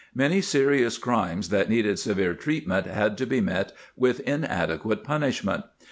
170 ] Camp Diversions crimes that needed severe treatment had to be met with inadequate punishment.